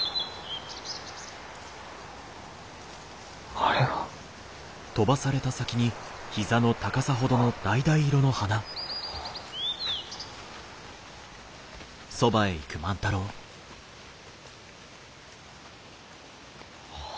あれは。はあ。